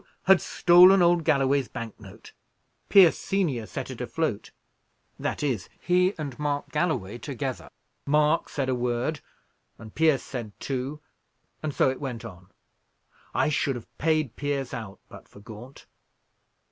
had stolen old Galloway's bank note. Pierce senior set it afloat; that is, he and Mark Galloway together. Mark said a word, and Pierce said two, and so it went on. I should have paid Pierce out, but for Gaunt."